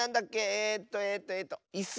えっとえっとえっとイスキヨ。